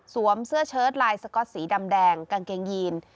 เสื้อเชิดลายสก๊อตสีดำแดงกางเกงยีน